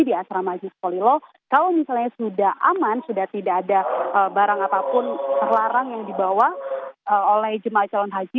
di asrama haji polilo kalau misalnya sudah aman sudah tidak ada barang apapun terlarang yang dibawa oleh jemaah calon haji